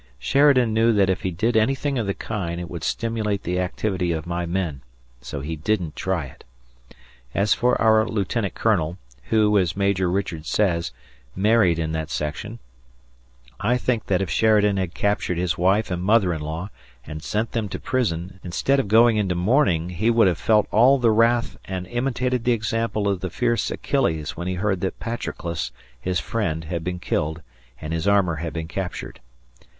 Sheridan knew that if he did anything of the kind it would stimulate the activity of my men, so he didn't try it. As for our lieutenant colonel, who, as Major Richards says, married in that section, I think that if Sheridan had captured his wife and mother in law and sent them to prison, instead of going into mourning, he would have felt all the wrath and imitated the example of the fierce Achilles when he heard that Patroclus, his friend, had been killed and his armor had been captured.